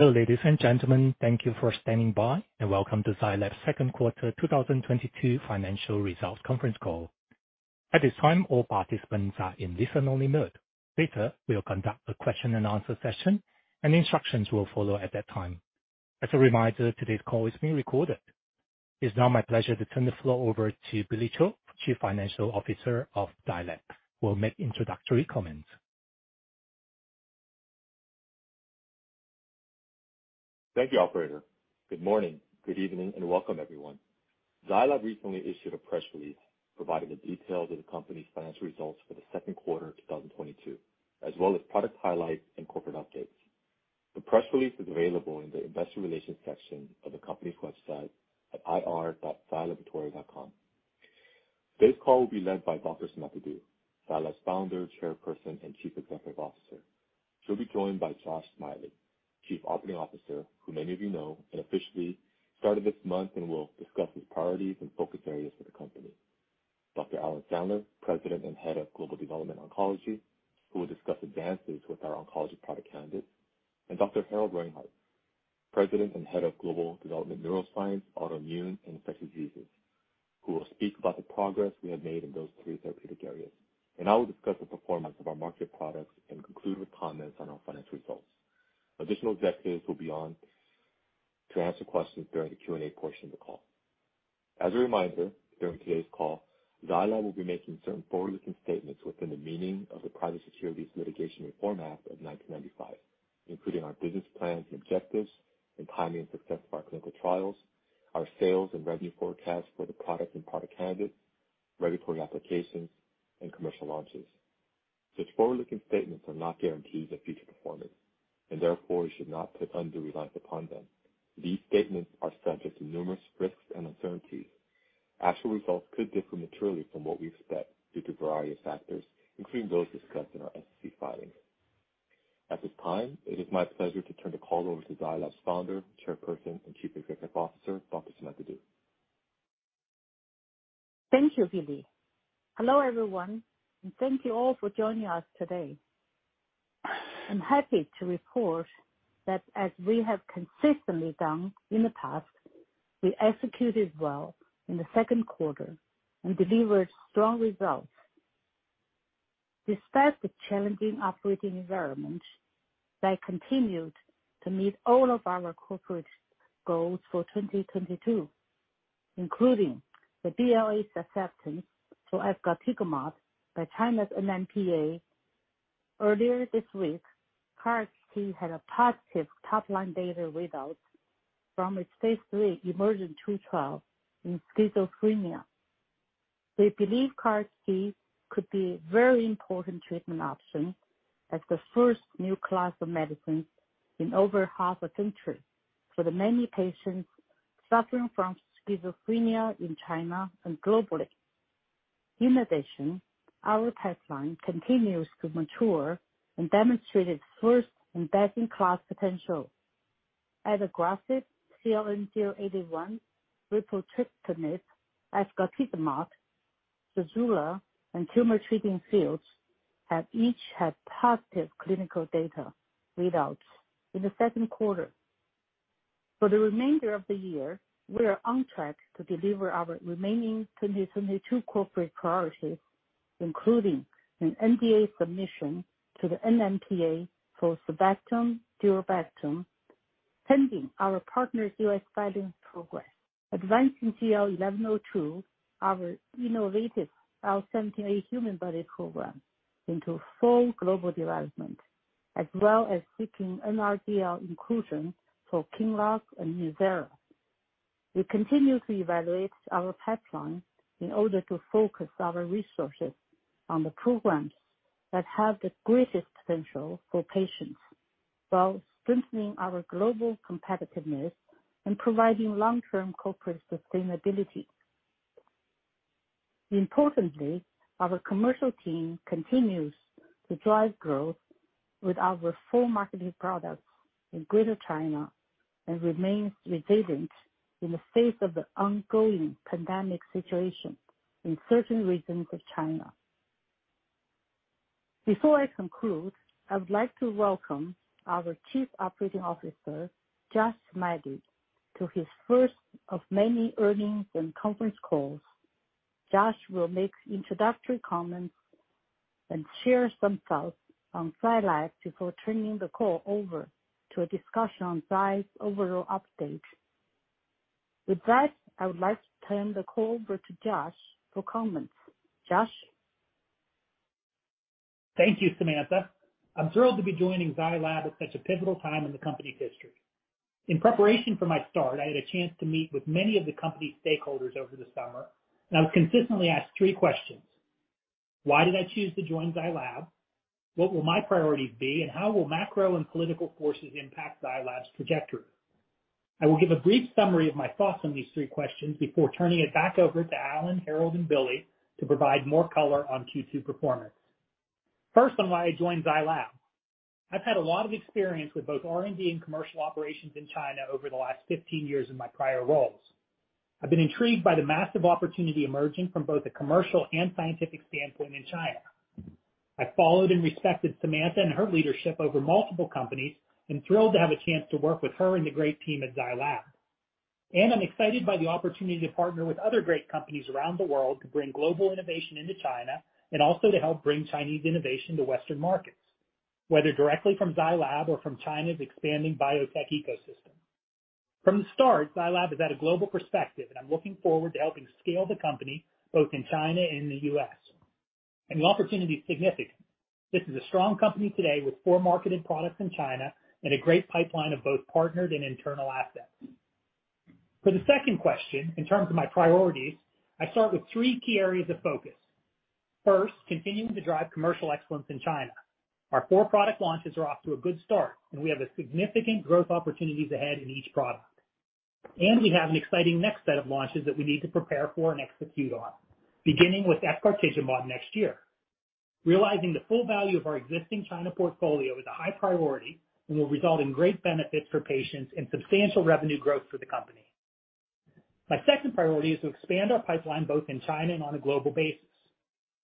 Hello, ladies and gentlemen. Thank you for standing by, and welcome to Zai Lab's second quarter 2022 financial results conference call. At this time, all participants are in listen-only mode. Later, we'll conduct a question-and-answer session, and instructions will follow at that time. As a reminder, today's call is being recorded. It's now my pleasure to turn the floor over to Billy Cho, Chief Financial Officer of Zai Lab, who will make introductory comments. Thank you, operator. Good morning, good evening, and welcome everyone. Zai Lab recently issued a press release providing the details of the company's financial results for the second quarter of 2022, as well as product highlights and corporate updates. The press release is available in the investor relations section of the company's website at ir.zailab.com. Today's call will be led by Dr. Samantha Du, Zai Lab's Founder, Chairperson, and Chief Executive Officer. She'll be joined by Josh Smiley, Chief Operating Officer, who many of you know and officially started this month and will discuss his priorities and focus areas for the company. Dr. Alan Sandler, President and Head of Global Development, Oncology, who will discuss advances with our oncology product candidates, and Dr. Harald Reinhart, President and Head of Global Development, Neuroscience, Autoimmune, and Infectious Diseases, who will speak about the progress we have made in those three therapeutic areas. I will discuss the performance of our market products and conclude with comments on our financial results. Additional executives will be on to answer questions during the Q&A portion of the call. As a reminder, during today's call, Zai Lab will be making certain forward-looking statements within the meaning of the Private Securities Litigation Reform Act of 1995, including our business plans and objectives and timing and success of our clinical trials, our sales and revenue forecasts for the product and product candidates, regulatory applications, and commercial launches. Such forward-looking statements are not guarantees of future performance, and therefore you should not put undue reliance upon them. These statements are subject to numerous risks and uncertainties. Actual results could differ materially from what we expect due to a variety of factors, including those discussed in our SEC filings. At this time, it is my pleasure to turn the call over to Zai Lab's Founder, Chairperson, and Chief Executive Officer, Dr. Samantha Du. Thank you, Billy. Hello, everyone, and thank you all for joining us today. I'm happy to report that as we have consistently done in the past, we executed well in the second quarter and delivered strong results. Despite the challenging operating environment, Zai continued to meet all of our corporate goals for 2022, including the BLA acceptance for efgartigimod by China's NMPA. Earlier this week, KarXT had a positive top-line data readouts from its phase III EMERGENT-2 trial in schizophrenia. We believe KarXT could be a very important treatment option as the first new class of medicines in over half a century for the many patients suffering from schizophrenia in China and globally. In addition, our pipeline continues to mature and demonstrate its first-in-best-in-class potential. Adagrasib, CLN-081, bemarituzumab, efgartigimod, ZEJULA, and Tumor Treating Fields have each had positive clinical data readouts in the second quarter. For the remainder of the year, we are on track to deliver our remaining 2022 corporate priorities, including an NDA submission to the NMPA for Zejula, Duvelisib, pending our partner's U.S. filings progress. Advancing ZL-1102, our innovative IL-17A monoclonal antibody program into full global development, as well as seeking NRDL inclusion for Qinlock and NUZYRA. We continue to evaluate our pipeline in order to focus our resources on the programs that have the greatest potential for patients while strengthening our global competitiveness and providing long-term corporate sustainability. Importantly, our commercial team continues to drive growth with our fully marketed products in Greater China and remains resilient in the face of the ongoing pandemic situation in certain regions of China. Before I conclude, I would like to welcome our Chief Operating Officer, Josh Smiley, to his first of many earnings conference calls. Josh will make introductory comments and share some thoughts on Zai Lab before turning the call over to a discussion on Zai's overall update. With that, I would like to turn the call over to Josh for comments. Josh? Thank you, Samantha. I'm thrilled to be joining Zai Lab at such a pivotal time in the company's history. In preparation for my start, I had a chance to meet with many of the company stakeholders over the summer, and I was consistently asked three questions. Why did I choose to join Zai Lab? What will my priorities be, and how will macro and political forces impact Zai Lab's trajectory? I will give a brief summary of my thoughts on these three questions before turning it back over to Alan, Harald, and Billy to provide more color on Q2 performance. First, on why I joined Zai Lab. I've had a lot of experience with both R&D and commercial operations in China over the last 15 years in my prior roles. I've been intrigued by the massive opportunity emerging from both the commercial and scientific standpoint in China. I followed and respected Samantha and her leadership over multiple companies, and I'm thrilled to have a chance to work with her and the great team at Zai Lab. I'm excited by the opportunity to partner with other great companies around the world to bring global innovation into China and also to help bring Chinese innovation to Western markets, whether directly from Zai Lab or from China's expanding biotech ecosystem. From the start, Zai Lab has had a global perspective, and I'm looking forward to helping scale the company both in China and the U.S. The opportunity is significant. This is a strong company today with four marketed products in China and a great pipeline of both partnered and internal assets. For the second question, in terms of my priorities, I start with three key areas of focus. First, continuing to drive commercial excellence in China. Our four product launches are off to a good start, and we have significant growth opportunities ahead in each product. We have an exciting next set of launches that we need to prepare for and execute on, beginning with adagrasib next year. Realizing the full value of our existing China portfolio is a high priority and will result in great benefits for patients and substantial revenue growth for the company. My second priority is to expand our pipeline both in China and on a global basis.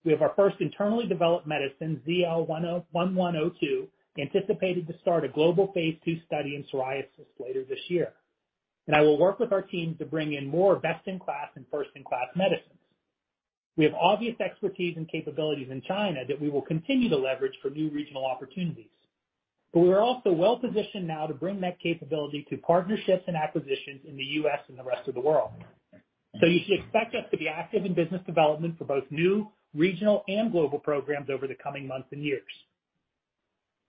We have our first internally developed medicine, ZL-1102, anticipated to start a global phase II study in psoriasis later this year. I will work with our teams to bring in more best-in-class and first-in-class medicines. We have obvious expertise and capabilities in China that we will continue to leverage for new regional opportunities. We are also well-positioned now to bring that capability to partnerships and acquisitions in the U.S. and the rest of the world. You should expect us to be active in business development for both new, regional, and global programs over the coming months and years.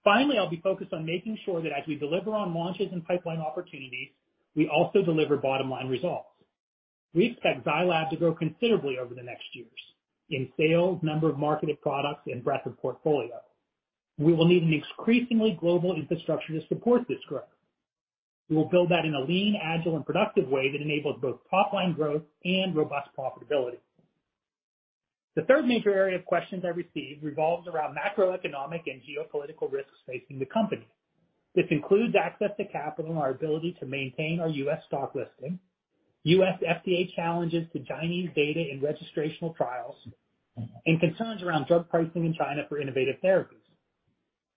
Finally, I'll be focused on making sure that as we deliver on launches and pipeline opportunities, we also deliver bottom-line results. We expect Zai Lab to grow considerably over the next years in sales, number of marketed products, and breadth of portfolio. We will need an increasingly global infrastructure to support this growth. We will build that in a lean, agile, and productive way that enables both top-line growth and robust profitability. The third major area of questions I received revolves around macroeconomic and geopolitical risks facing the company. This includes access to capital and our ability to maintain our U.S. stock listing, U.S. FDA challenges to Chinese data and registrational trials, and concerns around drug pricing in China for innovative therapies.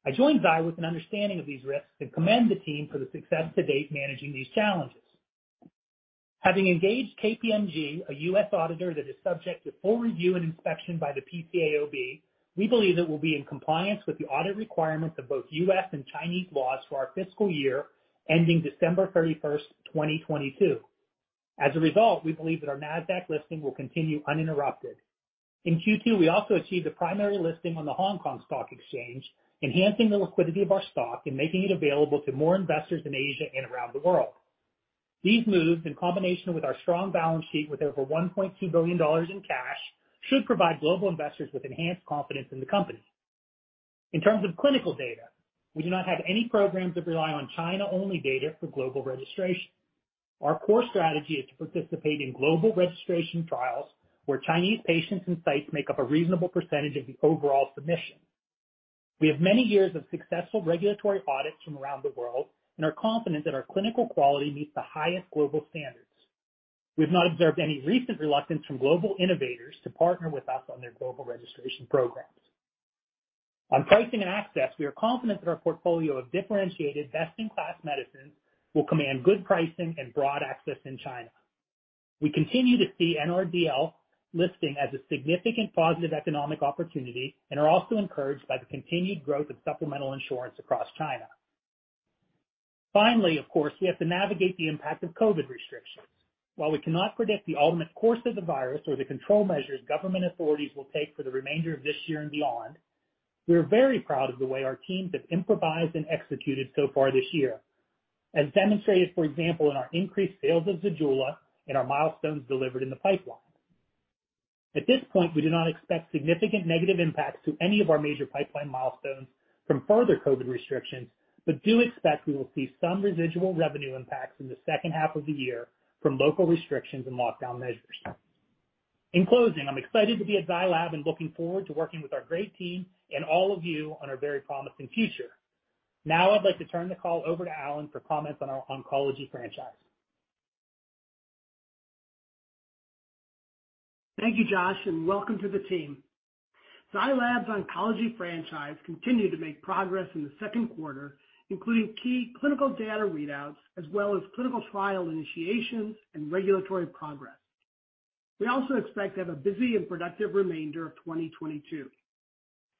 I joined Zai with an understanding of these risks and commend the team for the success to date managing these challenges. Having engaged KPMG, a U.S. auditor that is subject to full review and inspection by the PCAOB, we believe that we'll be in compliance with the audit requirements of both U.S. and Chinese laws for our fiscal year ending December 31, 2022. As a result, we believe that our NASDAQ listing will continue uninterrupted. In Q2, we also achieved a primary listing on the Hong Kong Stock Exchange, enhancing the liquidity of our stock and making it available to more investors in Asia and around the world. These moves, in combination with our strong balance sheet with over $1.2 billion in cash, should provide global investors with enhanced confidence in the company. In terms of clinical data, we do not have any programs that rely on China-only data for global registration. Our core strategy is to participate in global registration trials where Chinese patients and sites make up a reasonable percentage of the overall submission. We have many years of successful regulatory audits from around the world and are confident that our clinical quality meets the highest global standards. We've not observed any recent reluctance from global innovators to partner with us on their global registration programs. On pricing and access, we are confident that our portfolio of differentiated best-in-class medicines will command good pricing and broad access in China. We continue to see NRDL listing as a significant positive economic opportunity and are also encouraged by the continued growth of supplemental insurance across China. Finally, of course, we have to navigate the impact of COVID restrictions. While we cannot predict the ultimate course of the virus or the control measures government authorities will take for the remainder of this year and beyond, we are very proud of the way our teams have improvised and executed so far this year. As demonstrated, for example, in our increased sales of Zejula and our milestones delivered in the pipeline. At this point, we do not expect significant negative impacts to any of our major pipeline milestones from further COVID restrictions, but do expect we will see some residual revenue impacts in the second half of the year from local restrictions and lockdown measures. In closing, I'm excited to be at Zai Lab and looking forward to working with our great team and all of you on our very promising future. Now I'd like to turn the call over to Alan for comments on our oncology franchise. Thank you, Josh, and welcome to the team. Zai Lab's oncology franchise continued to make progress in the second quarter, including key clinical data readouts, as well as clinical trial initiations and regulatory progress. We also expect to have a busy and productive remainder of 2022.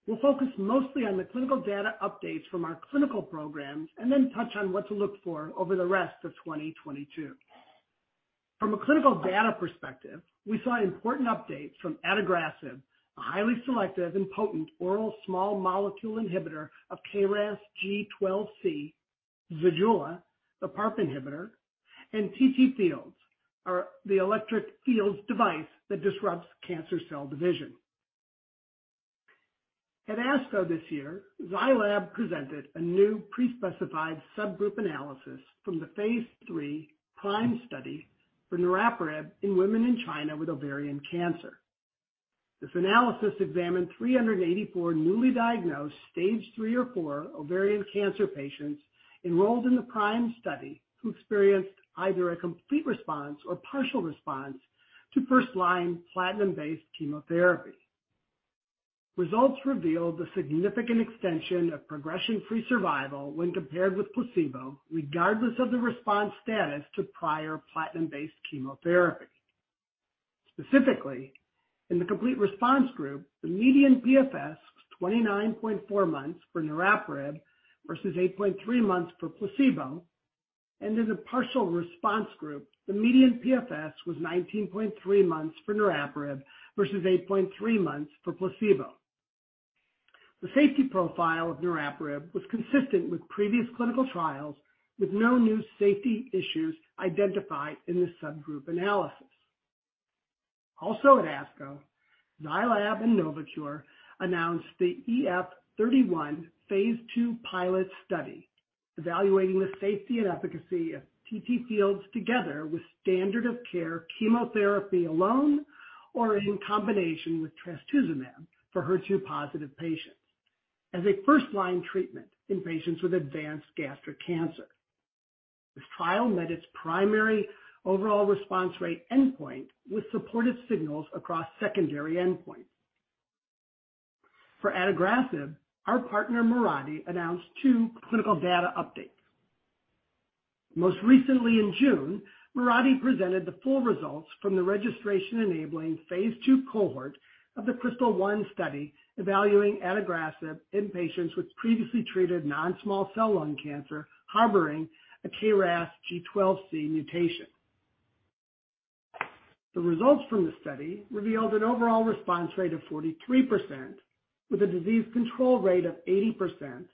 We'll focus mostly on the clinical data updates from our clinical programs and then touch on what to look for over the rest of 2022. From a clinical data perspective, we saw an important update from Adagrasib, a highly selective and potent oral small molecule inhibitor of KRAS G12C, Zejula, the PARP inhibitor, and TTFields, or the electric fields device that disrupts cancer cell division. At ASCO this year, Zai Lab presented a new pre-specified subgroup analysis from the phase III PRIME study for niraparib in women in China with ovarian cancer. This analysis examined 384 newly diagnosed stage three or four ovarian cancer patients enrolled in the PRIME study who experienced either a complete response or partial response to first-line platinum-based chemotherapy. Results revealed a significant extension of progression-free survival when compared with placebo, regardless of the response status to prior platinum-based chemotherapy. Specifically, in the complete response group, the median PFS was 29.4 months for niraparib versus 8.3 months for placebo. In the partial response group, the median PFS was 19.3 months for niraparib versus 8.3 months for placebo. The safety profile of niraparib was consistent with previous clinical trials, with no new safety issues identified in this subgroup analysis. At ASCO, Zai Lab and Novocure announced the EF-31 phase II pilot study, evaluating the safety and efficacy of TTFields together with standard of care chemotherapy alone, or in combination with trastuzumab for HER2-positive patients as a first-line treatment in patients with advanced gastric cancer. The trial met its primary overall response rate endpoint with supportive signals across secondary endpoints. For Adagrasib, our partner Mirati announced two clinical data updates. Most recently in June, Mirati presented the full results from the registration-enabling phase II cohort of the KRYSTAL-1 study, evaluating Adagrasib in patients with previously treated non-small cell lung cancer harboring a KRAS G12C mutation. The results from the study revealed an overall response rate of 43% with a disease control rate of 80%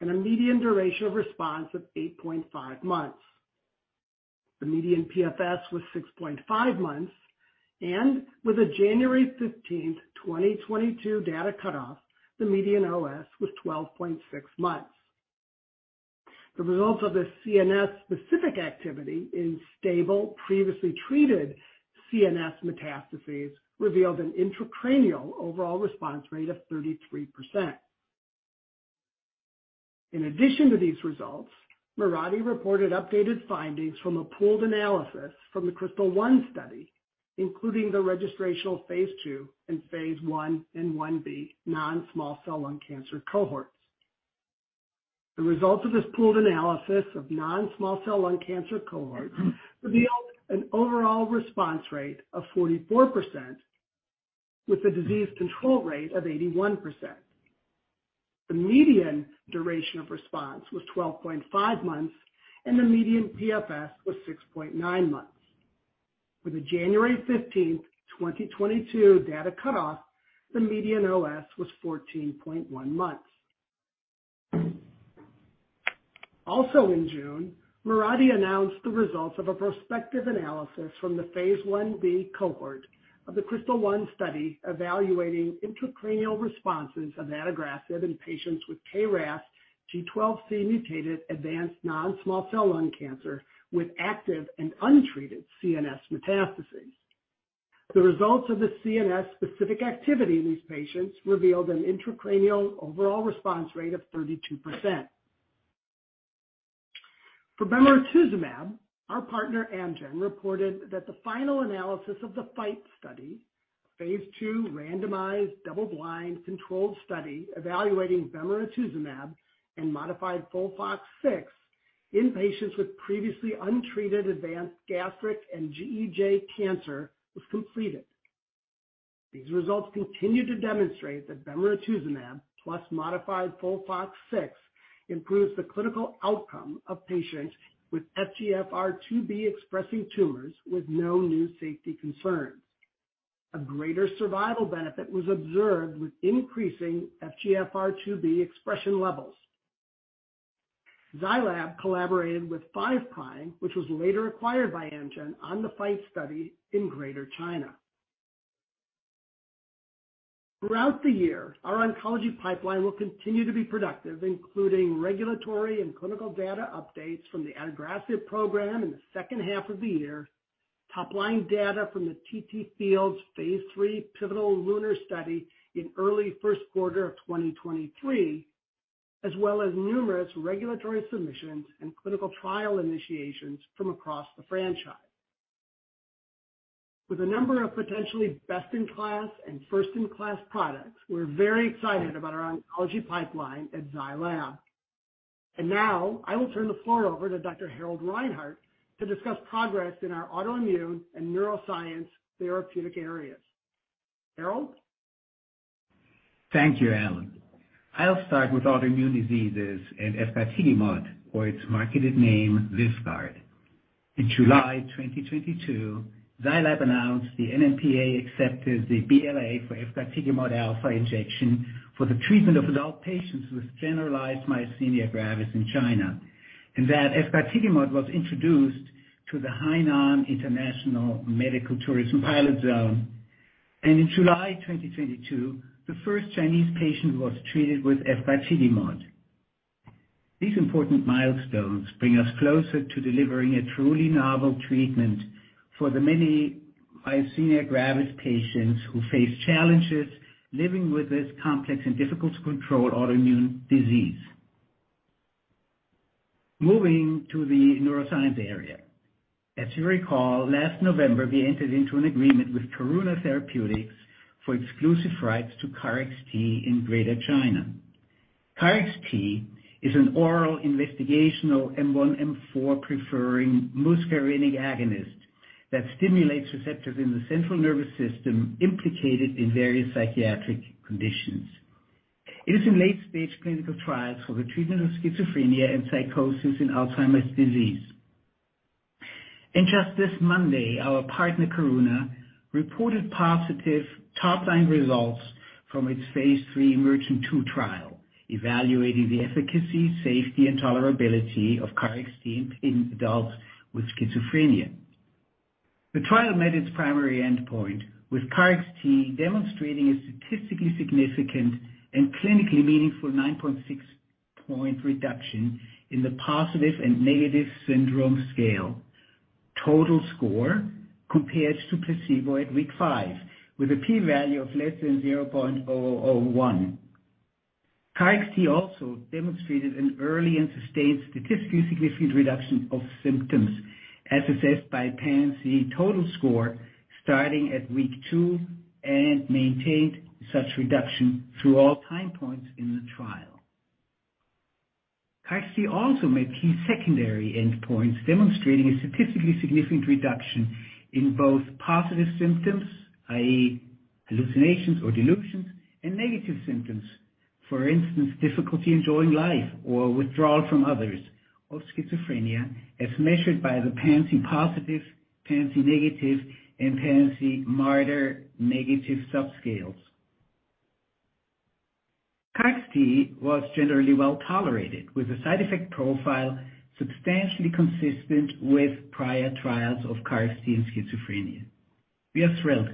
and a median duration of response of 8.5 months. The median PFS was 6.5 months, and with a January 15th, 2022 data cutoff, the median OS was 12.6 months. The results of the CNS specific activity in stable, previously treated CNS metastases revealed an intracranial overall response rate of 33%. In addition to these results, Mirati reported updated findings from a pooled analysis from the KRYSTAL-1 study, including the registrational phase II and phase I and 1b non-small cell lung cancer cohorts. The results of this pooled analysis of non-small cell lung cancer cohorts revealed an overall response rate of 44% with a disease control rate of 81%. The median duration of response was 12.5 months, and the median PFS was 6.9 months. With a January 15th, 2022 data cutoff, the median OS was 14.1 months. Also in June, Mirati announced the results of a prospective analysis from the phase I-B cohort of the KRYSTAL-1 study evaluating intracranial responses of adagrasib in patients with KRAS G12C mutated advanced non-small cell lung cancer with active and untreated CNS metastases. The results of the CNS specific activity in these patients revealed an intracranial overall response rate of 32%. For bemarituzumab, our partner Amgen reported that the final analysis of the FIGHT study, a phase II randomized double-blind controlled study evaluating bemarituzumab and modified FOLFOX6 in patients with previously untreated advanced gastric and GEJ cancer was completed. These results continue to demonstrate that bemarituzumab plus modified FOLFOX6 improves the clinical outcome of patients with FGFR2B expressing tumors with no new safety concerns. A greater survival benefit was observed with increasing FGFR2B expression levels. Zai Lab collaborated with Five Prime, which was later acquired by Amgen on the FIGHT study in Greater China. Throughout the year, our oncology pipeline will continue to be productive, including regulatory and clinical data updates from the adagrasib program in the second half of the year, top-line data from the TTFields phase III pivotal LUNAR study in early first quarter of 2023, as well as numerous regulatory submissions and clinical trial initiations from across the franchise. With a number of potentially best-in-class and first-in-class products, we're very excited about our oncology pipeline at Zai Lab. Now I will turn the floor over to Dr. Harald Reinhart to discuss progress in our autoimmune and neuroscience therapeutic areas. Harold. Thank you, Alan. I'll start with autoimmune diseases and efgartigimod or its marketed name, VYVGART. In July 2022, Zai Lab announced the NMPA accepted the BLA for efgartigimod alpha injection for the treatment of adult patients with generalized myasthenia gravis in China, and that efgartigimod was introduced to the Hainan International Medical Tourism Pilot Zone. In July 2022, the first Chinese patient was treated with efgartigimod. These important milestones bring us closer to delivering a truly novel treatment for the many myasthenia gravis patients who face challenges living with this complex and difficult to control autoimmune disease. Moving to the neuroscience area. As you recall, last November, we entered into an agreement with Karuna Therapeutics for exclusive rights to KarXT in Greater China. KarXT is an oral investigational M1, M4-preferring muscarinic agonist that stimulates receptors in the central nervous system implicated in various psychiatric conditions. It is in late-stage clinical trials for the treatment of schizophrenia and psychosis in Alzheimer's disease. Just this Monday, our partner, Karuna, reported positive top-line results from its phase III EMERGENT-2 trial, evaluating the efficacy, safety, and tolerability of KarXT in adults with schizophrenia. The trial met its primary endpoint, with KarXT demonstrating a statistically significant and clinically meaningful 9.6-point reduction in the positive and negative syndrome scale total score compared to placebo at week five, with a P value of less than 0.0001. KarXT also demonstrated an early and sustained statistically significant reduction of symptoms, as assessed by PANSS total score starting at week two, and maintained such reduction through all time points in the trial. KarXT also made key secondary endpoints, demonstrating a statistically significant reduction in both positive symptoms, i.e., hallucinations or delusions, and negative symptoms. For instance, difficulty enjoying life or withdrawal from others of schizophrenia, as measured by the PANSS Positive, PANSS Negative, and PANSS Marder Negative subscales. KarXT was generally well-tolerated, with a side effect profile substantially consistent with prior trials of KarXT in schizophrenia. We are thrilled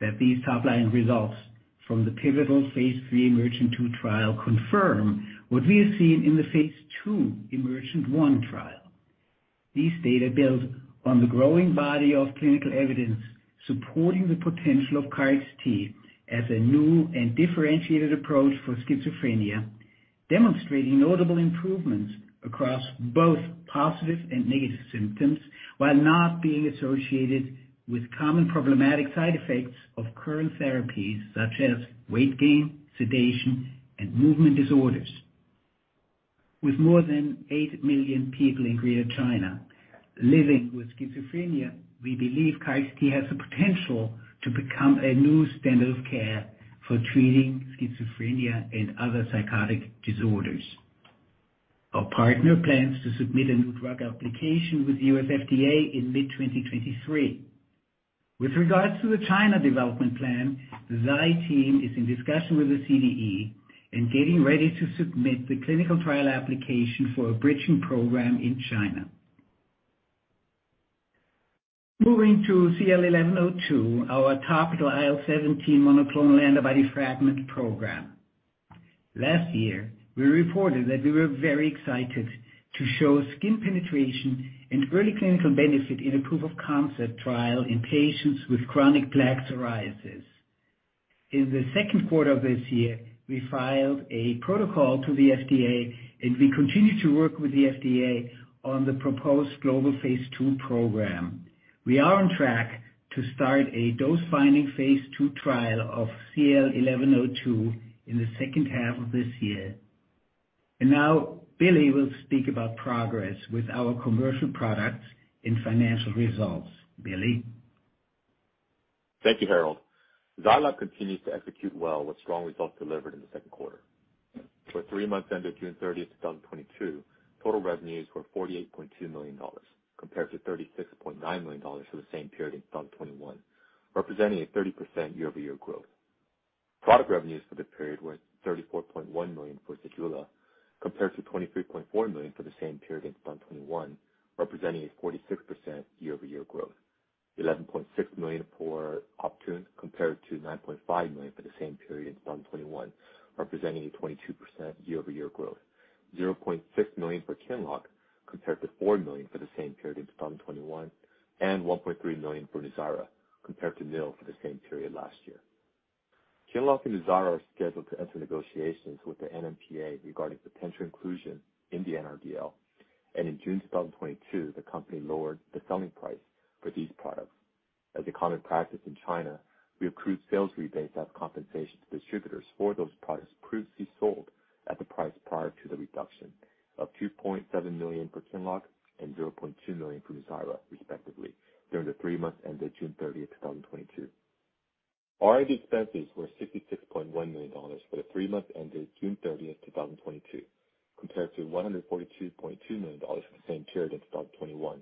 that these top-line results from the pivotal phase III EMERGENT-2 trial confirm what we have seen in the phase II EMERGENT-1 trial. These data builds on the growing body of clinical evidence supporting the potential of KarXT as a new and differentiated approach for schizophrenia, demonstrating notable improvements across both positive and negative symptoms, while not being associated with common problematic side effects of current therapies such as weight gain, sedation, and movement disorders. With more than 8 million people in Greater China living with schizophrenia, we believe KarXT has the potential to become a new standard of care for treating schizophrenia and other psychotic disorders. Our partner plans to submit a new drug application with U.S. FDA in mid-2023. With regards to the China development plan, the Zai team is in discussion with the CDE and getting ready to submit the clinical trial application for a bridging program in China. Moving to ZL-1102, our topical anti-IL-17 monoclonal antibody fragment program. Last year, we reported that we were very excited to show skin penetration and early clinical benefit in a proof of concept trial in patients with chronic plaque psoriasis. In the second quarter of this year, we filed a protocol to the FDA, and we continue to work with the FDA on the proposed global phase II program. We are on track to start a dose-finding phase II trial of ZL-1102 in the second half of this year. Now, Billy will speak about progress with our commercial products and financial results. Billy? Thank you, Harald. Zai Lab continues to execute well with strong results delivered in the second quarter. For three months ended June 30th, 2022, total revenues were $48.2 million, compared to $36.9 million for the same period in 2021, representing a 30% year-over-year growth. Product revenues for the period were $34.1 million for ZEJULA, compared to $23.4 million for the same period in 2021, representing a 46% year-over-year growth. $11.6 million for Optune, compared to $9.5 million for the same period in 2021, representing a 22% year-over-year growth. $0.6 million for Qinlock, compared to $4 million for the same period in 2021. One point three million for NUZYRA, compared to nil for the same period last year. Qinlock and NUZYRA are scheduled to enter negotiations with the NMPA regarding potential inclusion in the NRDL. In June 2022, the company lowered the selling price for these products. As a common practice in China, we accrue sales rebates as compensation to distributors for those products previously sold at the price prior to the reduction of $2.7 million for Qinlock and $0.2 million for NUZYRA, respectively, during the three months ended June 30th, 2022. R&D expenses were $66.1 million for the three months ended June 30th, 2022, compared to $142.2 million for the same period in 2021.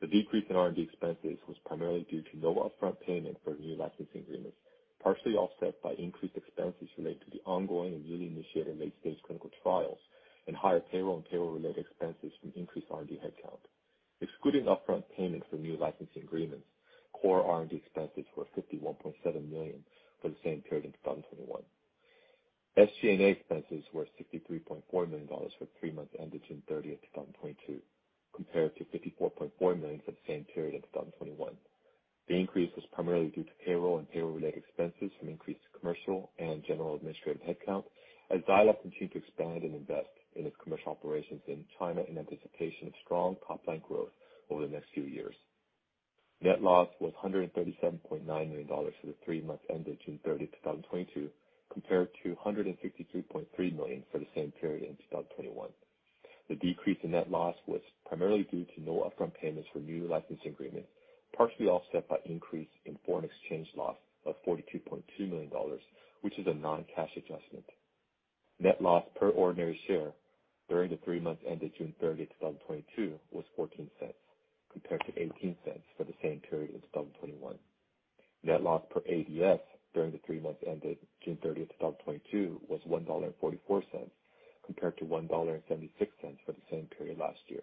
The decrease in R&D expenses was primarily due to no upfront payment for the new licensing agreements, partially offset by increased expenses related to the ongoing and newly initiated late-stage clinical trials and higher payroll and payroll-related expenses from increased R&D headcount. Excluding upfront payment for new licensing agreements, core R&D expenses were $51.7 million for the same period in 2021. SG&A expenses were $63.4 million for three months ended June 30th, 2022. Compared to $54.4 million for the same period in 2021. The increase was primarily due to payroll and payroll-related expenses from increased commercial and general administrative headcount as Zai Lab continued to expand and invest in its commercial operations in China in anticipation of strong top-line growth over the next few years. Net loss was $137.9 million for the three months ended June 30th, 2022, compared to $153.3 million for the same period in 2021. The decrease in net loss was primarily due to no upfront payments for new licensing agreement, partially offset by increase in foreign exchange loss of $42.2 million, which is a non-cash adjustment. Net loss per ordinary share during the three months ended June 30th, 2022, was $0.14 compared to $0.18 for the same period in 2021. Net loss per ADS during the three months ended June 30th, 2022, was $1.44, compared to $1.76 for the same period last year.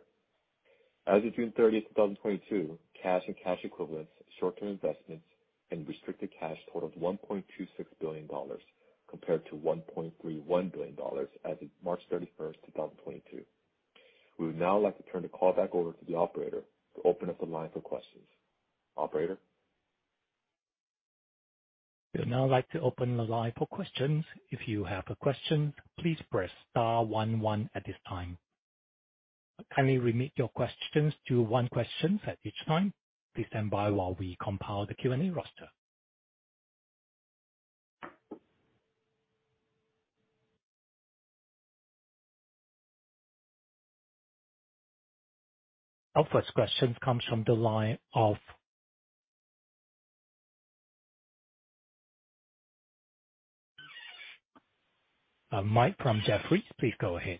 As of June 30th, 2022, cash and cash equivalents, short-term investments, and restricted cash totaled $1.26 billion compared to $1.31 billion as of March 31st, 2022. We would now like to turn the call back over to the operator to open up the line for questions. Operator? We'd now like to open the line for questions. If you have a question, please press star one one at this time. Kindly limit your questions to one question at a time. Please stand by while we compile the Q&A roster. Our first question comes from the line of Mike from Jefferies. Please go ahead.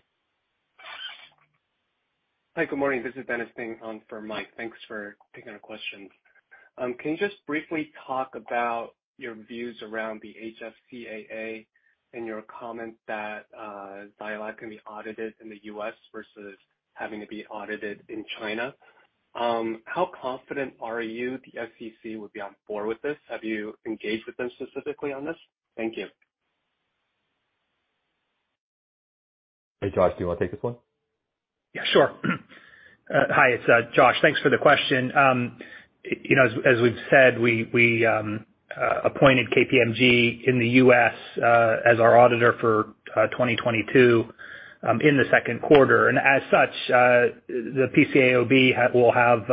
Hi. Good morning. This is Dennis sitting on for Mike. Thanks for taking our questions. Can you just briefly talk about your views around the HFCAA and your comment that Zai Lab can be audited in the U.S. versus having to be audited in China? How confident are you the PCAOB would be on board with this? Have you engaged with them specifically on this? Thank you. Hey, Josh, do you wanna take this one? Yeah, sure. Hi, it's Josh. Thanks for the question. You know, as we've said, we appointed KPMG in the U.S. as our auditor for 2022 in the second quarter. As such, the PCAOB will have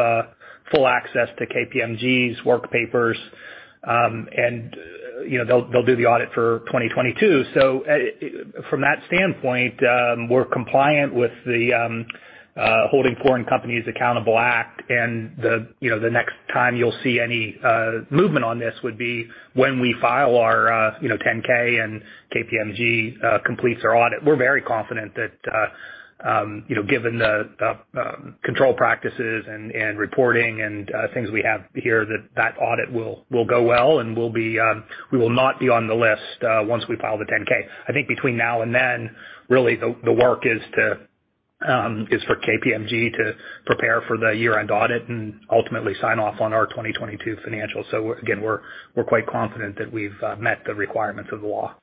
full access to KPMG's work papers. You know, they'll do the audit for 2022. From that standpoint, we're compliant with the Holding Foreign Companies Accountable Act. The next time you'll see any movement on this would be when we file our 10-K and KPMG completes our audit. We're very confident that you know, given the control practices and reporting and things we have here, that audit will go well and we will not be on the list once we file the 10-K. I think between now and then, really the work is for KPMG to prepare for the year-end audit and ultimately sign off on our 2022 financials. We're again quite confident that we've met the requirements of the law.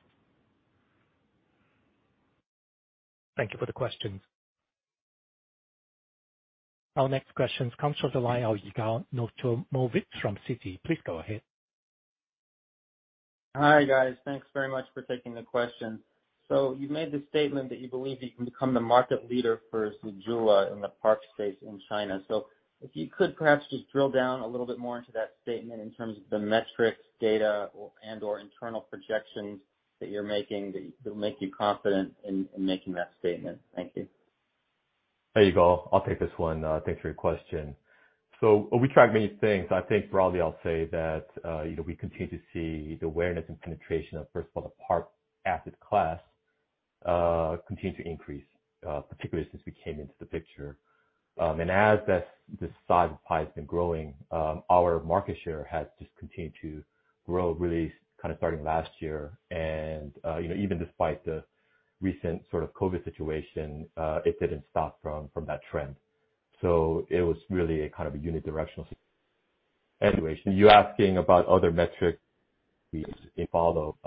Thank you for the question. Our next question comes from the line of Yigal Nochomovitz from Citi. Please go ahead. Hi, guys. Thanks very much for taking the question. You made the statement that you believe you can become the market leader for ZEJULA in the PARP space in China. If you could perhaps just drill down a little bit more into that statement in terms of the metrics, data or and/or internal projections that you're making that'll make you confident in making that statement. Thank you. Hey, Yigal. I'll take this one. Thanks for your question. We track many things. I think broadly, I'll say that, you know, we continue to see the awareness and penetration of, first of all, the PARP asset class, continue to increase, particularly since we came into the picture. The size of the pie has been growing, our market share has just continued to grow really kind of starting last year. You know, even despite the recent sort of COVID situation, it didn't stop from that trend. It was really a kind of unidirectional situation. You're asking about other metrics we follow.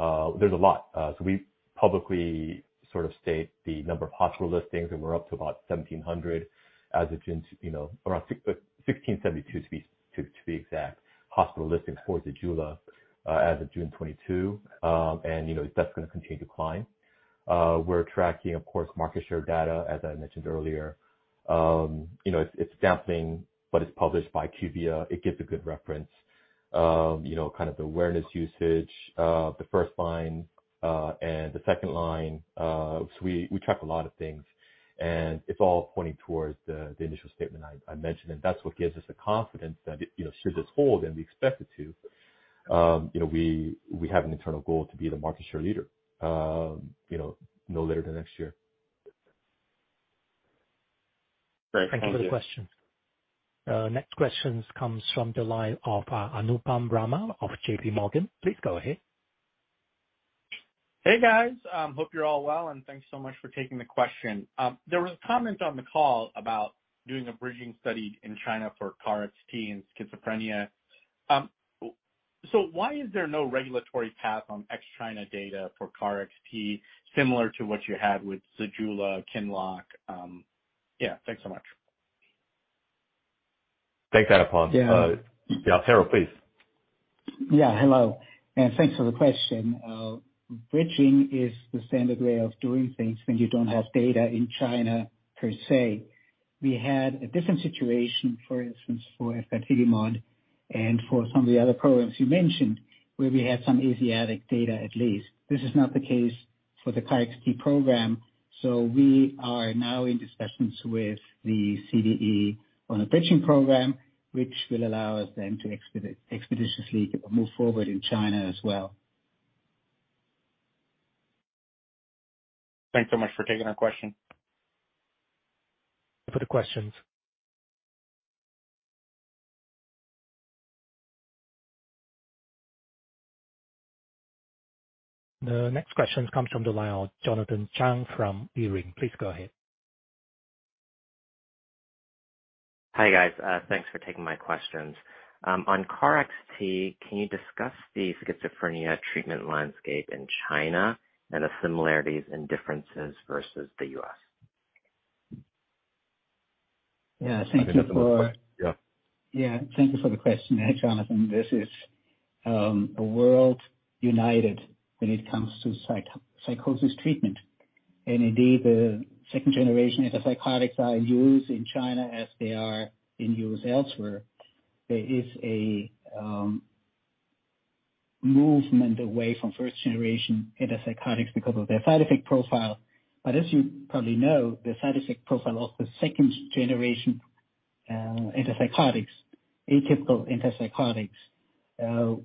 There's a lot. We publicly sort of state the number of hospital listings, and we're up to about 1,700 as of June, you know, around 1,672 to be exact, hospital listings for ZEJULA, as of June 2022. You know, that's gonna continue to climb. We're tracking, of course, market share data, as I mentioned earlier. You know, it's sampling, but it's published by IQVIA. It gives a good reference of, you know, kind of the awareness usage, the first line, and the second line. We track a lot of things, and it's all pointing towards the initial statement I mentioned, and that's what gives us the confidence that, you know, should this hold and we expect it to, you know, we have an internal goal to be the market share leader, you know, no later than next year. Great. Thank you. Thank you for the question. Next question comes from the line of Anupam Rama of JPMorgan. Please go ahead. Hey, guys. Hope you're all well, and thanks so much for taking the question. There was comment on the call about doing a bridging study in China for KarXT in schizophrenia. Why is there no regulatory path on ex-China data for KarXT similar to what you had with Zejula, Qinlock? Yeah, thanks so much. Take that upon. Yeah. Yeah. Harald Reinhart, please. Yeah. Hello, and thanks for the question. Bridging is the standard way of doing things when you don't have data in China per se. We had a different situation for instance for efgartigimod and for some of the other programs you mentioned where we had some Asian data at least. This is not the case for the KarXT program. We are now in discussions with the CDE on a bridging program which will allow us then to expeditiously move forward in China as well. Thanks so much for taking our question. For the questions. The next question comes from the line of Jonathan Chang from Leerink. Please go ahead. Hi, guys. Thanks for taking my questions. On KarXT, can you discuss the schizophrenia treatment landscape in China and the similarities and differences versus the U.S.? Yeah. Thank you for Yeah. Yeah, thank you for the question. Hi, Jonathan. This is a world united when it comes to psychosis treatment. Indeed, the second generation antipsychotics are in use in China as they are in use elsewhere. There is a movement away from first generation antipsychotics because of their side effect profile. As you probably know, the side effect profile of the second generation antipsychotics, atypical antipsychotics,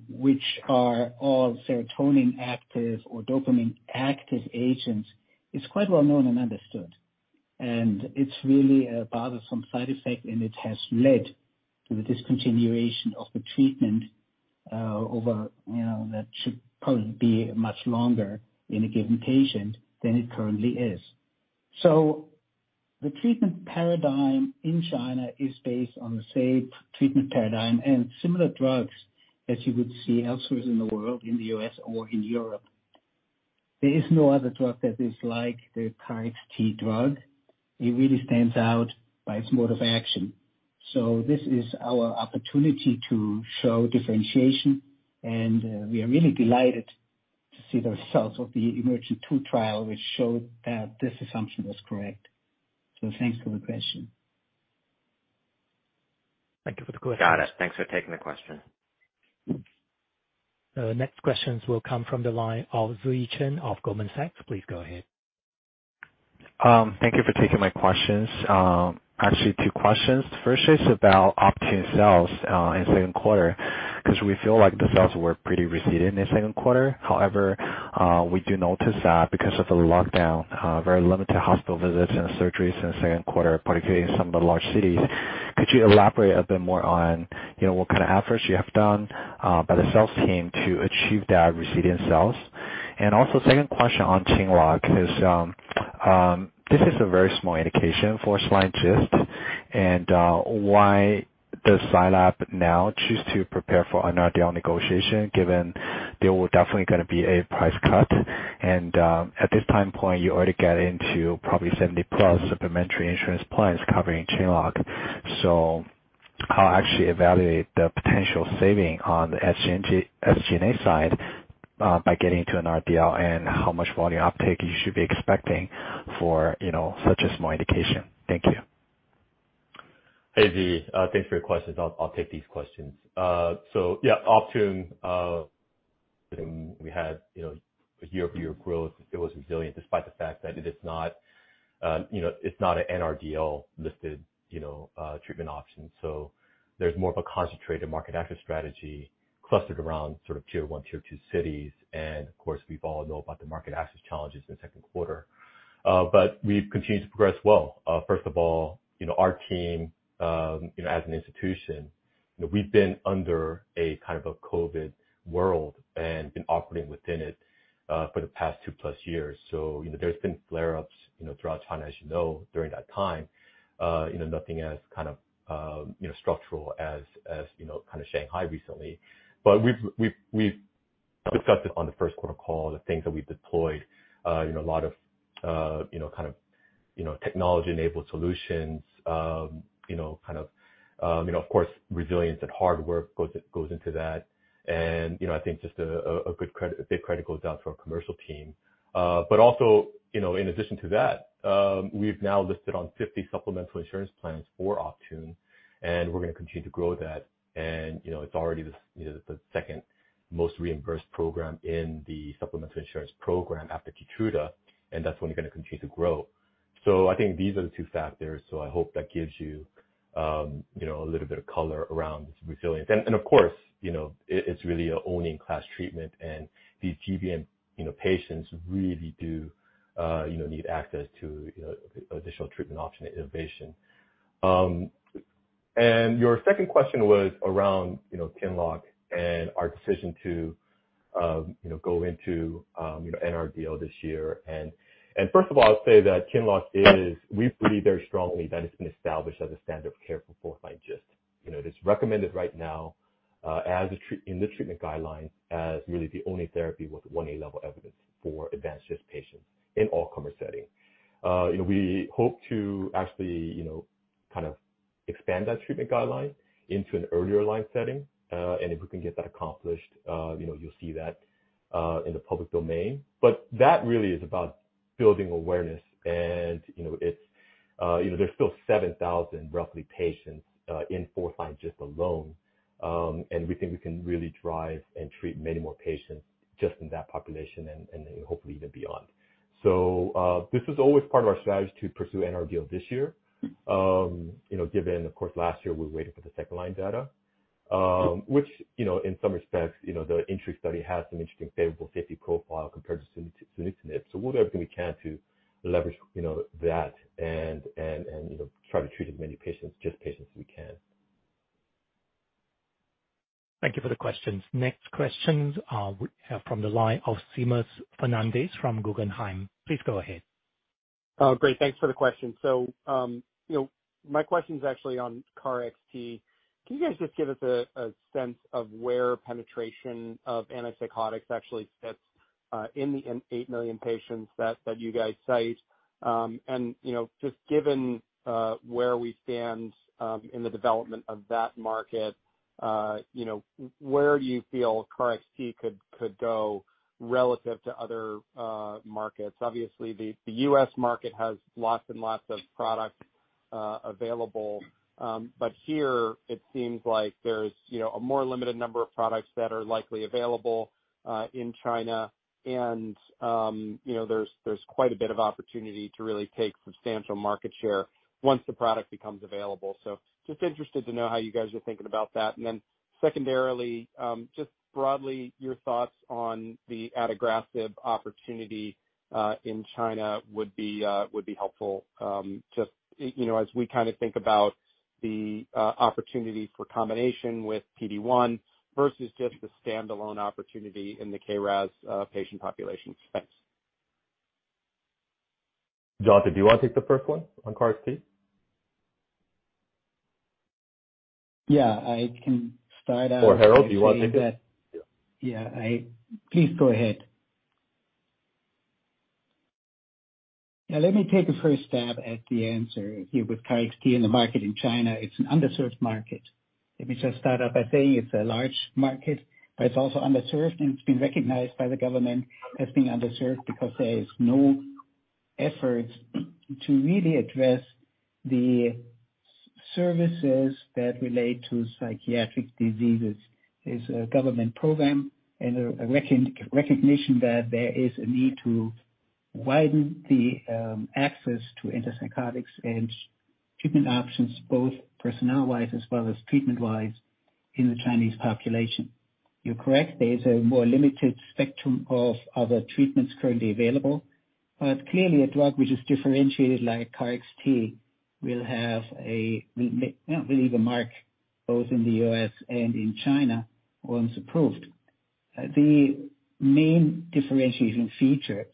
which are all serotonin active or dopamine active agents, is quite well known and understood. It's really a bothersome side effect and it has led to the discontinuation of the treatment, over you know that should probably be much longer in a given patient than it currently is. The treatment paradigm in China is based on the same treatment paradigm and similar drugs as you would see elsewhere in the world, in the U.S. or in Europe. There is no other drug that is like the KarXT drug. It really stands out by its mode of action. This is our opportunity to show differentiation and, we are really delighted to see the results of the EMERGENT-2 trial which showed that this assumption was correct. Thanks for the question. Thank you for the question. Got it. Thanks for taking the question. The next questions will come from the line of Ziyi Chen of Goldman Sachs. Please go ahead. Thank you for taking my questions. Actually two questions. First is about Optune sales in second quarter because we feel like the sales were pretty accelerated in the second quarter. However, we do notice that because of the lockdown, very limited hospital visits and surgeries in the second quarter, particularly in some of the large cities. Could you elaborate a bit more on, you know, what kind of efforts you have done by the sales team to achieve that accelerated sales? And also second question on Qinlock is, this is a very small indication for GIST and, why does Zai Lab now choose to prepare for an NRDL negotiation given there will definitely gonna be a price cut and, at this time point you already get into probably 70+ supplementary insurance plans covering Qinlock. How actually evaluate the potential saving on the SG&A side by getting to an NRDL and how much volume uptake you should be expecting for, you know, such a small indication? Thank you. Hey, Z. Thanks for your questions. I'll take these questions. Yeah, Optune, we had, you know, year-over-year growth. It was resilient despite the fact that it is not, you know, it's not an RDL listed, you know, treatment option. There's more of a concentrated market access strategy clustered around sort of tier one, tier two cities. Of course, we all know about the market access challenges in the second quarter. We've continued to progress well. First of all, you know, our team, you know, as an institution, you know, we've been under a kind of a COVID world and been operating within it, for the past two plus years. You know, there's been flare-ups, you know, throughout China as you know during that time, you know, nothing as kind of, you know, structural as, you know, kind of Shanghai recently. We've discussed it on the first quarter call, the things that we deployed, you know, a lot of, you know, kind of, you know, technology-enabled solutions, you know, kind of, you know, of course resilience and hard work goes into that. You know, I think just a good credit, a big credit goes out to our commercial team. You know, in addition to that, we've now listed on 50 supplemental insurance plans for Optune and we're gonna continue to grow that. You know, it's already the second most reimbursed program in the supplemental insurance program after Keytruda and that's only gonna continue to grow. I think these are the two factors so I hope that gives you know, a little bit of color around resilience. Of course, you know, it's really a only in class treatment and these GBM patients really do, you know, need access to additional treatment option and innovation. Your second question was around, you know, Qinlock and our decision to, you know, go into an NRDL this year. First of all, I'll say that Qinlock is, we believe very strongly that it's been established as a standard of care for fourth line GIST. You know, it is recommended right now, as in the treatment guidelines as really the only therapy with one A-level evidence for advanced GIST patients in all-comer setting. You know, we hope to actually, you know, kind of expand that treatment guideline into an earlier line setting. If we can get that accomplished, you know, you'll see that, in the public domain. That really is about building awareness. You know, it's, you know, there's still 7,000 roughly patients, in fourth line GIST alone. We think we can really drive and treat many more patients just in that population and then hopefully even beyond. This was always part of our strategy to pursue NRDL this year. You know, given of course last year we waited for the second-line data, which, you know, in some respects, you know, the INTRIGUE study has some interesting favorable safety profile compared to sunitinib. We'll do everything we can to leverage, you know, that and try to treat as many patients, GIST patients as we can. Thank you for the questions. Next questions, we have from the line of Seamus Fernandez from Guggenheim. Please go ahead. Oh, great. Thanks for the question. You know, my question's actually on KarXT. Can you guys just give us a sense of where penetration of antipsychotics actually sits in the 8 million patients that you guys cite? You know, just given where we stand in the development of that market, you know, where do you feel KarXT could go relative to other markets? Obviously, the U.S. market has lots and lots of product available. But here it seems like there's you know, a more limited number of products that are likely available in China. You know, there's quite a bit of opportunity to really take substantial market share once the product becomes available. Just interested to know how you guys are thinking about that. Secondarily, just broadly, your thoughts on the Adagrasib opportunity in China would be helpful. Just, you know, as we kind of think about the opportunity for combination with PD-1 versus just the standalone opportunity in the KRAS patient population. Thanks. Jonathan, do you wanna take the first one on CAR T? Yeah, I can start out. Harald, do you wanna take it? Please go ahead. Now, let me take a first stab at the answer here with KarXT in the market in China. It's an underserved market. Let me just start off by saying it's a large market, but it's also underserved, and it's been recognized by the government as being underserved because there is no efforts to really address the services that relate to psychiatric diseases. There's a government program and a recognition that there is a need to widen the access to antipsychotics and treatment options, both personnel-wise as well as treatment-wise in the Chinese population. You're correct. There is a more limited spectrum of other treatments currently available, but clearly a drug which is differentiated like KarXT will have a market both in the U.S. and in China once approved. The main differentiation features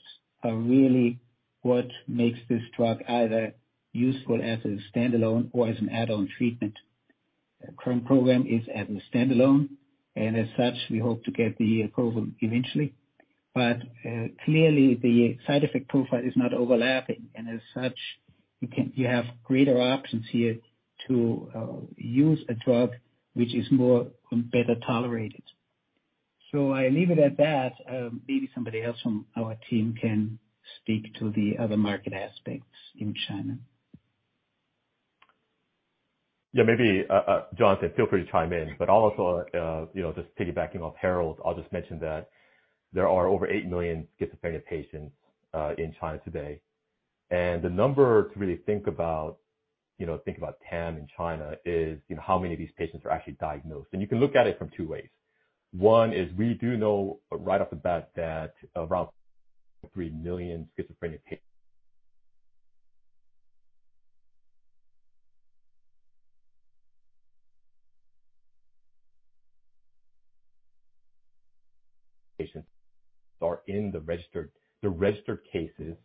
are really what makes this drug either useful as a standalone or as an add-on treatment. Current program is as a standalone, and as such, we hope to get the approval eventually. Clearly the side effect profile is not overlapping, and as such, you have greater options here to use a drug which is more and better tolerated. I leave it at that. Maybe somebody else from our team can speak to the other market aspects in China. Yeah. Maybe, Jonathan, feel free to chime in, but I'll also, you know, just piggybacking off Harald, I'll just mention that there are over 8 million schizophrenia patients in China today. The number to really think about, you know, think about TAM in China is, you know, how many of these patients are actually diagnosed. You can look at it from two ways. One is we do know right off the bat that around 3 million schizophrenia patients are in the registered cases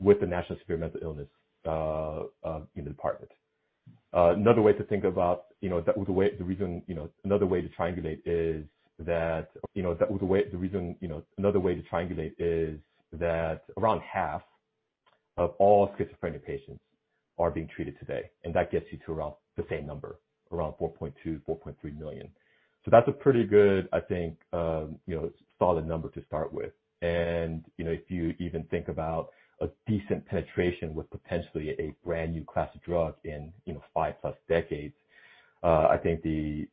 with the National Severe Mental Illness department. Another way to triangulate is that, you know, the way, the reason, you know. Another way to triangulate is that around half of all schizophrenic patients are being treated today, and that gets you to around the same number, around 4.2, 4.3 million. That's a pretty good, I think, you know, solid number to start with. You know, if you even think about a decent penetration with potentially a brand-new class of drugs in, you know, five-plus decades, I think the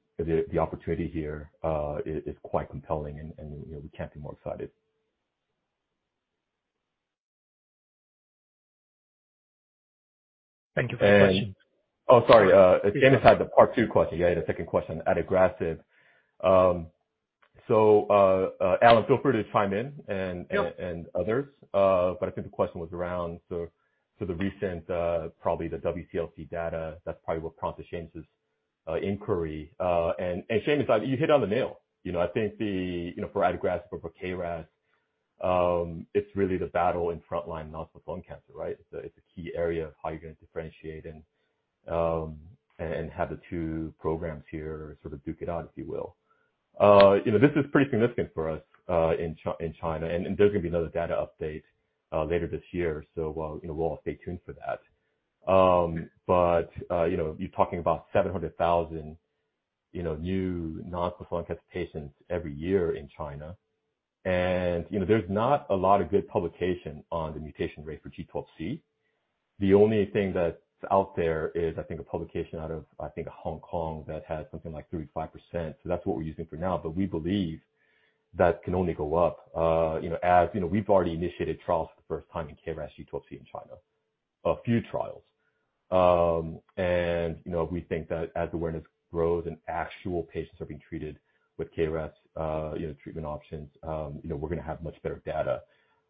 opportunity here is quite compelling and, you know, we can't be more excited. Thank you for the question. Oh, sorry. Seamus had the part two question. He had a second question, Adagrasib. Alan, feel free to chime in and Yep. Others. I think the question was around the recent WCLC data. That's probably what prompted Seamus's inquiry. Seamus, you hit the nail on the head. You know, I think, you know, for Adagrasib or for KRAS, it's really the battle in front line non-small cell lung cancer, right? It's a key area of how you're gonna differentiate and have the two programs here sort of duke it out, if you will. You know, this is pretty significant for us in China, and there's gonna be another data update later this year. We'll, you know, we'll all stay tuned for that. You know, you're talking about 700,000, you know, new non-small cell cancer patients every year in China. You know, there's not a lot of good publication on the mutation rate for G12C. The only thing that's out there is, I think, a publication out of, I think, Hong Kong that has something like 35%. That's what we're using for now. We believe that can only go up, you know, as, you know, we've already initiated trials for the first time in KRAS G12C in China, a few trials. You know, we think that as awareness grows and actual patients are being treated with KRAS, you know, treatment options, you know, we're gonna have much better data.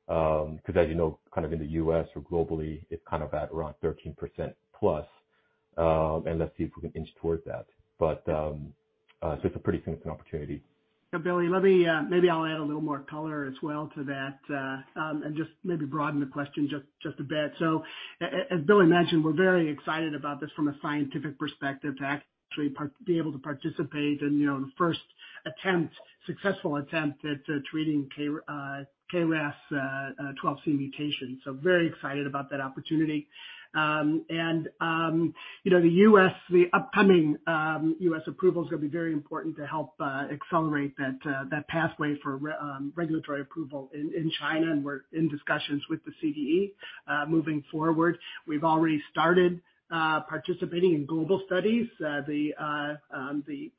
'Cause as you know, kind of in the U.S. or globally, it's kind of at around 13% plus, and let's see if we can inch towards that. So it's a pretty significant opportunity. Billy, let me maybe I'll add a little more color as well to that, and just maybe broaden the question just a bit. As Billy mentioned, we're very excited about this from a scientific perspective to actually be able to participate in, you know, the first attempt, successful attempt at treating KRAS G12C mutation. Very excited about that opportunity. And, you know, the upcoming U.S. approval is gonna be very important to help accelerate that pathway for regulatory approval in China, and we're in discussions with the CDE. Moving forward, we've already started participating in global studies, the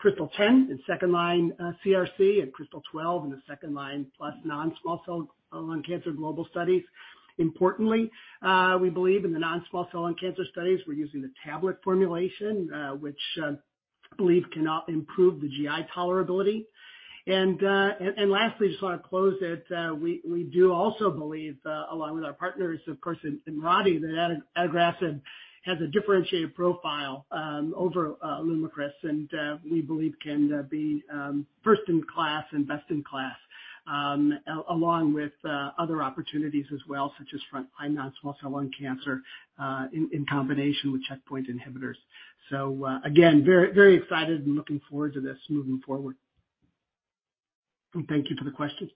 KRYSTAL-10 in second line CRC and KRYSTAL-12 in the second line plus non-small cell lung cancer global studies. Importantly, we believe in the non-small cell lung cancer studies, we're using the tablet formulation, which I believe can now improve the GI tolerability. Lastly, I just wanna close it, we do also believe along with our partners, of course, that Adagrasib has a differentiated profile over Lumakras, and we believe can be first in class and best in class, along with other opportunities as well, such as front line non-small cell lung cancer in combination with checkpoint inhibitors. Again, very, very excited and looking forward to this moving forward. Thank you for the question.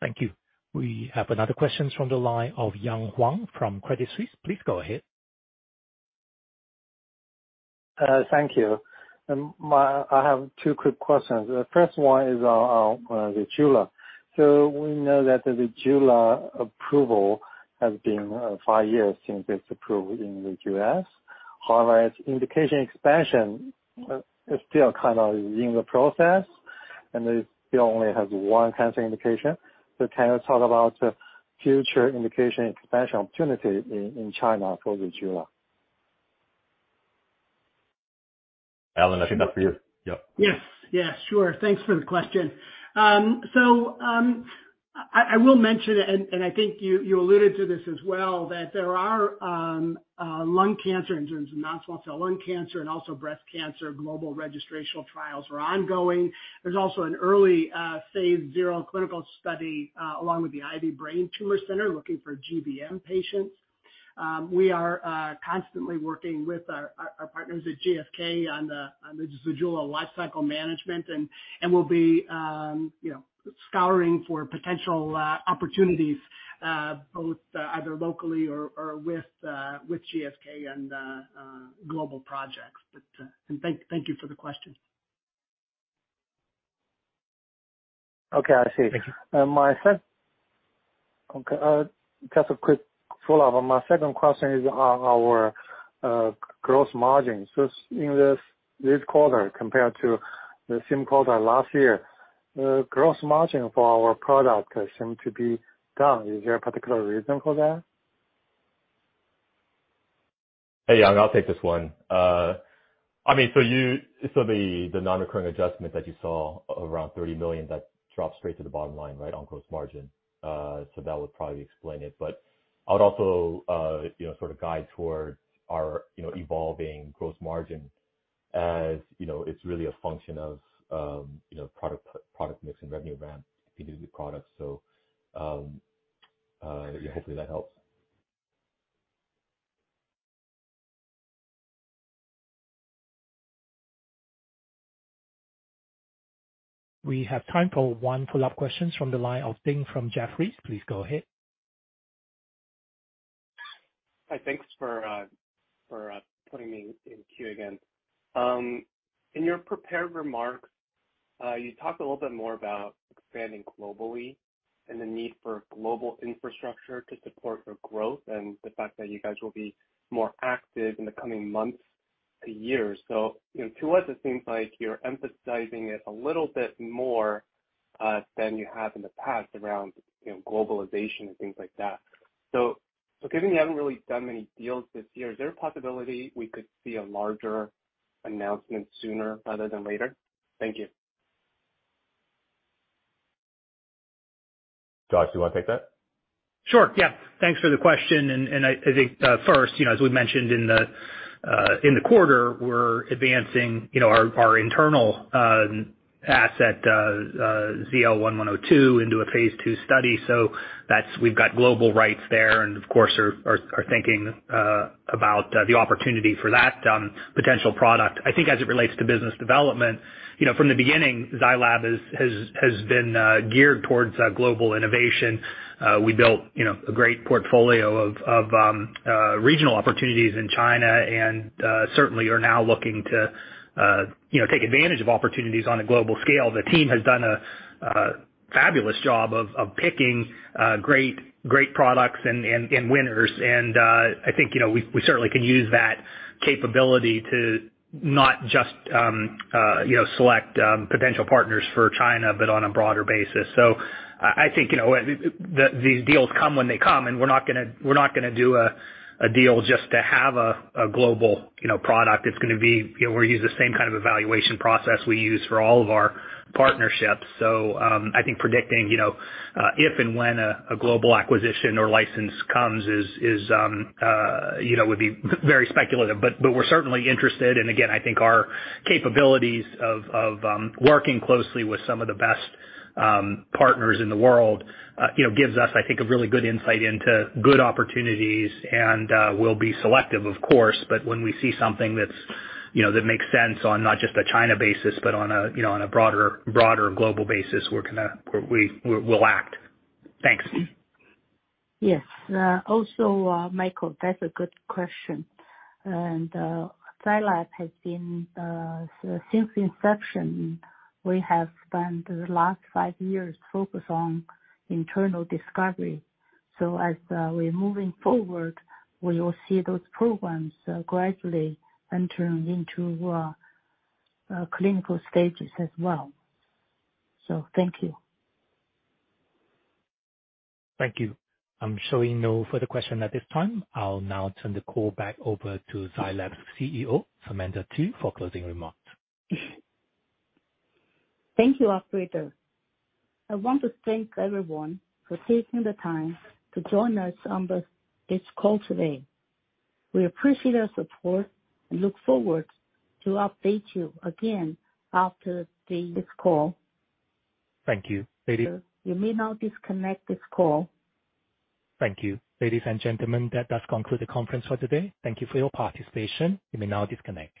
Thank you. We have another question from the line of Yang Huang from Credit Suisse. Please go ahead. Thank you. I have two quick questions. The first one is on ZEJULA. We know that the ZEJULA approval has been five years since it's approved in the U.S. However, its indication expansion is still kind of in the process, and it still only has one cancer indication. Can you talk about the future indication expansion opportunity in China for ZEJULA? Alan, I think that's for you. Yep. Yes. Sure. Thanks for the question. So, I will mention, and I think you alluded to this as well, that there are lung cancer in terms of non-small cell lung cancer and also breast cancer, global registrational trials are ongoing. There's also an early phase zero clinical study along with the Ivy Brain Tumor Center looking for GBM patients. We are constantly working with our partners at GSK on the Zejula lifecycle management, and we'll be you know, scouring for potential opportunities both either locally or with GSK on the global projects. But and thank you for the question. Okay, I see. Thanks. Just a quick follow-up. My second question is on our gross margins. In this quarter compared to the same quarter last year, gross margin for our product seem to be down. Is there a particular reason for that? Hey, Yang, I'll take this one. The non-recurring adjustment that you saw around $30 million, that drops straight to the bottom line, right, on gross margin. That would probably explain it. But I would also, you know, sort of guide towards our, you know, evolving gross margin as, you know, it's really a function of, you know, product mix and revenue ramp if you do the product. Yeah, hopefully that helps. We have time for one follow-up question from the line of Ding from Jefferies. Please go ahead. Hi. Thanks for putting me in queue again. In your prepared remarks, you talked a little bit more about expanding globally and the need for global infrastructure to support the growth and the fact that you guys will be more active in the coming months to years. You know, to us, it seems like you're emphasizing it a little bit more than you have in the past around, you know, globalization and things like that. Given you haven't really done many deals this year, is there a possibility we could see a larger announcement sooner rather than later? Thank you. Josh, do you wanna take that? Sure, yeah. Thanks for the question. I think first, you know, as we mentioned in the quarter, we're advancing our internal asset ZL-1102 into a phase II study. That's. We've got global rights there, and of course, are thinking about the opportunity for that potential product. I think as it relates to business development, you know, from the beginning, Zai Lab has been geared towards global innovation. We built, you know, a great portfolio of regional opportunities in China and certainly are now looking to, you know, take advantage of opportunities on a global scale. The team has done a fabulous job of picking great products and winners and I think, you know, we certainly can use that capability to not just, you know, select potential partners for China, but on a broader basis. I think, you know, these deals come when they come, and we're not gonna do a deal just to have a global, you know, product. It's gonna be, you know, we're gonna use the same kind of evaluation process we use for all of our partnerships. I think predicting, you know, if and when a global acquisition or license comes is, you know, would be very speculative. We're certainly interested, and again, I think our capabilities of working closely with some of the best partners in the world, you know, gives us, I think, a really good insight into good opportunities and, we'll be selective, of course. But when we see something that's, you know, that makes sense on not just a China basis, but on a, you know, on a broader global basis, we'll act. Thanks. Yes. Also, Michael, that's a good question. Zai Lab has been, since inception, we have spent the last five years focused on internal discovery. As we're moving forward, we will see those programs gradually entering into clinical stages as well. Thank you. Thank you. I'm showing no further question at this time. I'll now turn the call back over to Zai Lab's CEO, Samantha Du for closing remarks. Thank you, operator. I want to thank everyone for taking the time to join us on this call today. We appreciate your support and look forward to update you again after today's call. Thank you. You may now disconnect this call. Thank you. Ladies and gentlemen, that does conclude the conference for today. Thank you for your participation. You may now disconnect.